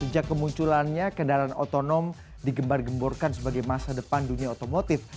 sejak kemunculannya kendaraan otonom digembar gemborkan sebagai masa depan dunia otomotif